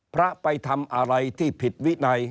พระไปทำอะไรที่ผิดวินัย